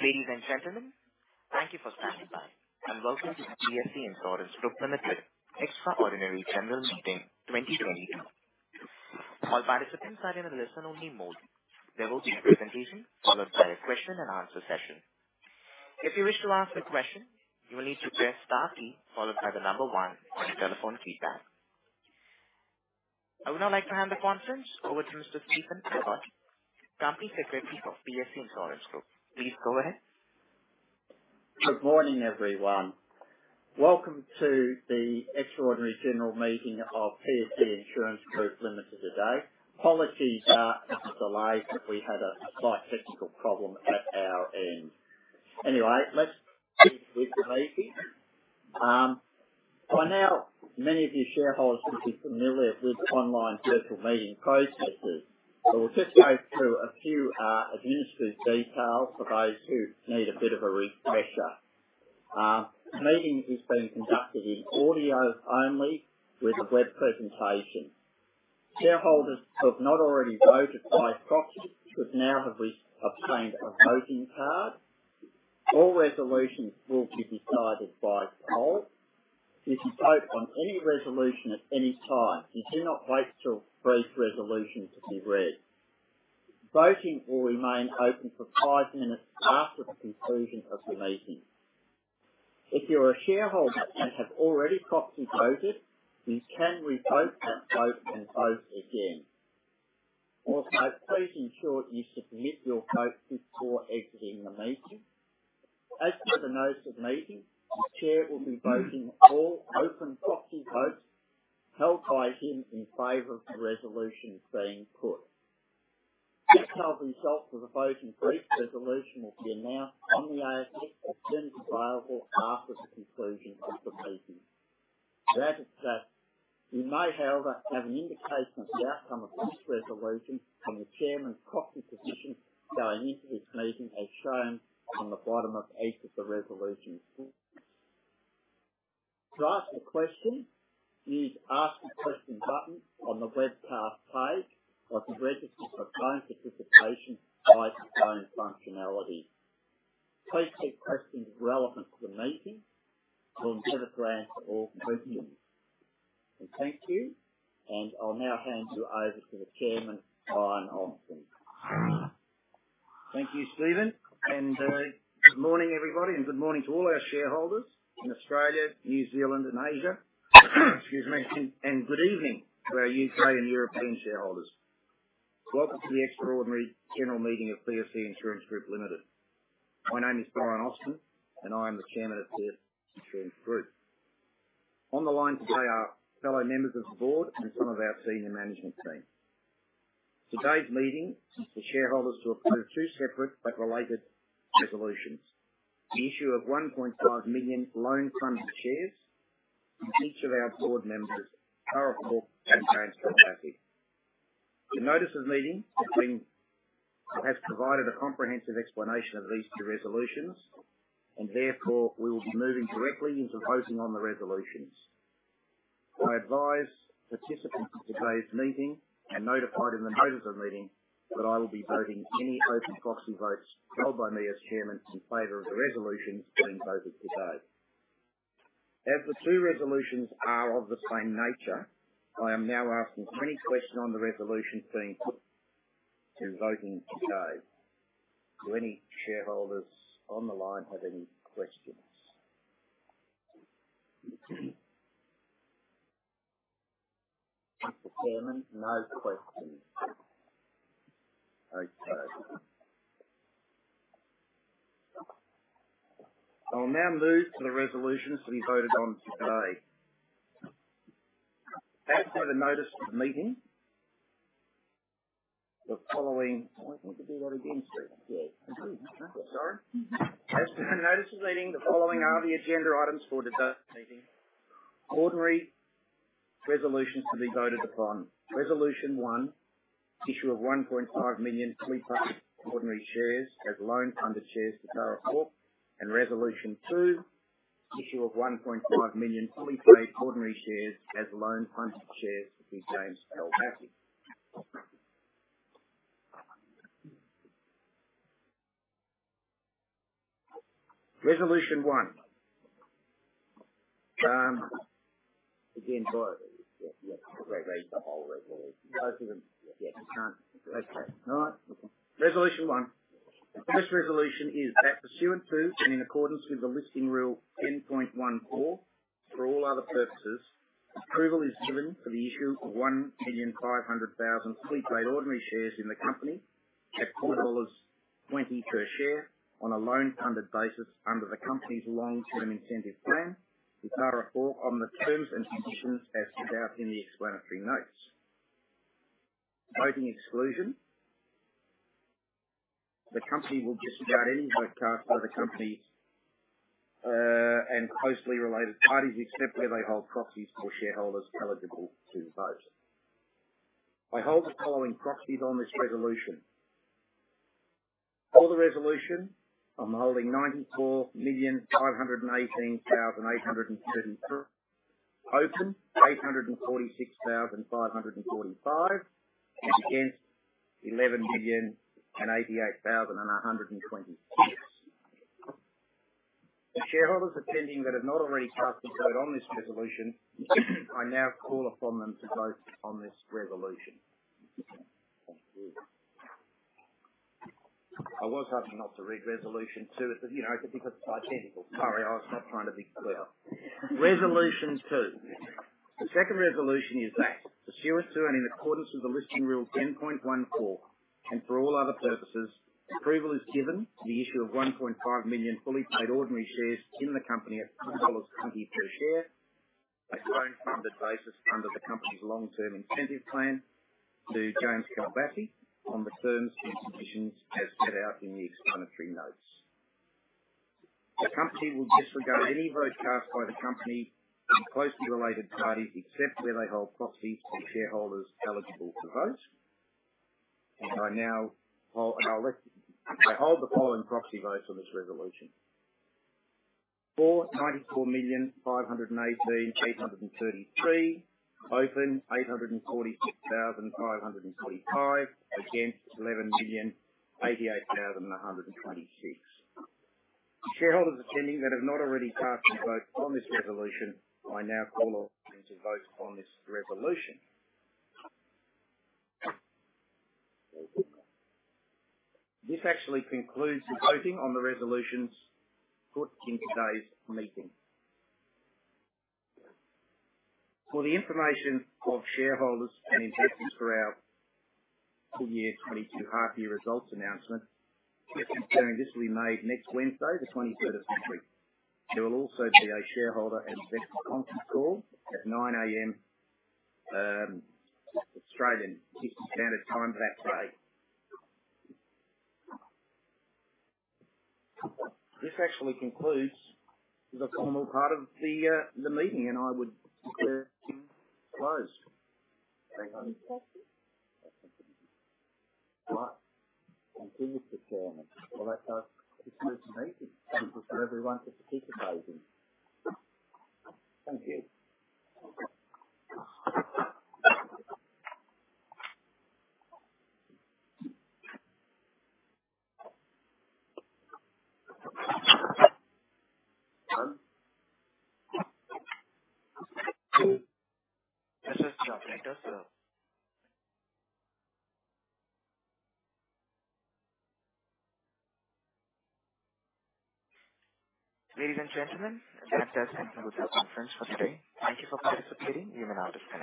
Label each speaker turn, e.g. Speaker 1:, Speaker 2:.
Speaker 1: Ladies and gentlemen, thank you for standing by, and welcome to PSC Insurance Group Limited Extraordinary General Meeting 2022. All participants are in a listen-only mode. There will be a presentation followed by a question and answer session. If you wish to ask a question, you will need to press star key followed by one on your telephone keypad. I would now like to hand the conference over to Mr. Stephen Abbott, Company Secretary for PSC Insurance Group. Please go ahead.
Speaker 2: Good morning, everyone. Welcome to the extraordinary general meeting of PSC Insurance Group Limited today. Apologies for the delay, but we had a slight technical problem at our end. Anyway, let's proceed with the meeting. By now many of you shareholders should be familiar with online virtual meeting processes. We'll just go through a few administrative details for those who need a bit of a refresher. The meeting is being conducted in audio-only with a web presentation. Shareholders who have not already voted by proxy should now have re-obtained a voting card. All resolutions will be decided by poll. You can vote on any resolution at any time. You do not wait till the resolution to be read. Voting will remain open for five minutes after the conclusion of the meeting. If you're a shareholder and have already proxy voted, you can revote that vote and vote again. Also, please ensure you submit your vote before exiting the meeting. As per the notice of meeting, the chair will be voting all open proxy votes held by him in favor of the resolution being put. Detailed results of the voting for the resolution will be announced on the ASX as soon as available after the conclusion of the meeting. That said, we may, however, have an indication of the outcome of this resolution from the chairman's proxy position going into this meeting, as shown on the bottom of each of the resolution screens. To ask a question, use Ask a Question button on the webcast page or you can register for phone participation by phone functionality. Please keep questions relevant to the meeting. We'll endeavor to answer all questions. Thank you, and I'll now hand you over to the Chairman, Brian Austin.
Speaker 3: Thank you, Stephen. Good morning, everybody, and good morning to all our shareholders in Australia, New Zealand and Asia. Excuse me. Good evening to our U.K. and European shareholders. Welcome to the extraordinary general meeting of PSC Insurance Group Limited. My name is Brian Austin, and I am the Chairman of PSC Insurance Group. On the line today are fellow members of the board and some of our senior management team. Today's meeting is for shareholders to approve two separate but related resolutions. The issue of 1.5 million loan funded shares to each of our board members, Tara Falk and James Kalbassi. The notice of meeting has provided a comprehensive explanation of these two resolutions, and therefore we will be moving directly into voting on the resolutions. I advise participants of today's meeting and notified in the notice of meeting that I will be voting any open proxy votes held by me as chairman in favor of the resolutions being voted today. As the two resolutions are of the same nature, I am now asking for any question on the resolution being put to voting today. Do any shareholders on the line have any questions?
Speaker 2: Mr. Chairman, no questions.
Speaker 3: Okay. I will now move to the resolutions to be voted on today. As per the notice of meeting, the following. Oh, I think we do that again, Steve. Yeah. Sorry. As per the notice of meeting, the following are the agenda items for today's meeting. Ordinary resolutions to be voted upon. Resolution one, issue of 1.5 million fully paid ordinary shares as loan funded shares to Tara Falk. Resolution two, issue of 1.5 million fully paid ordinary shares as loan funded shares to James Kalbassi. Resolution one. Again, sorry.
Speaker 2: Yeah, you have to read the whole resolution.
Speaker 3: Both of them?
Speaker 2: Yeah.
Speaker 3: Okay. All right. Resolution 1. This resolution is pursuant to and in accordance with Listing Rule 10.14. For all other purposes, approval is given for the issue of 1,500,000 fully paid ordinary shares in the company at 4.20 dollars per share on a loan funded basis under the company's long-term incentive plan with Tara Falk on the terms and conditions as set out in the explanatory notes. Voting exclusion. The company will disregard any vote cast by the company and closely related parties, except where they hold proxies for shareholders eligible to vote. I hold the following proxies on this resolution. For the resolution, I'm holding 94,518,833 and 846,545. Against 11,088,126. The shareholders attending that have not already cast a vote on this resolution. I now call upon them to vote on this resolution. I was asking not to read resolution two, but, you know, because it's identical. Sorry, I was not trying to be clever. Resolution two. The second resolution is that pursuant to and in accordance with the ASX Listing Rule 10.14, and for all other purposes, approval is given to the issue of 1.5 million fully paid ordinary shares in the company at 2.20 dollars per share on a loan funded basis under the company's long-term incentive plan to James Kalbassi on the terms and conditions as set out in the explanatory notes. The company will disregard any vote cast by the company and closely related parties, except where they hold proxies for shareholders eligible to vote. I now call... I hold the following proxy votes on this resolution. For 94,518,833. Abstain 846,545. Against 11,088,126. Shareholders attending that have not already cast a vote on this resolution, I now call on them to vote on this resolution. This actually concludes the voting on the resolutions put in today's meeting. For the information of shareholders and investors for our full year 2022 half year results announcement, we're considering this will be made next Wednesday, the twenty-third of February. There will also be a shareholder investor conference call at 9:00 A.M., Australian Eastern Standard Time that day. This actually concludes the formal part of the meeting, and I would declare to close.
Speaker 1: Thank you.
Speaker 2: Thank you, Mr. Chairman. Well, that concludes the meeting. Thank you for everyone participating. Thank you.
Speaker 1: This is the operator, sir. Ladies and gentlemen, that does conclude the conference for today. Thank you for participating. You may now disconnect.